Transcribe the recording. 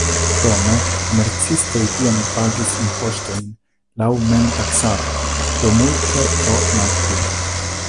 Krome komercistoj tiam pagis impoŝtojn laŭ memtaksado, do multe tro malpli.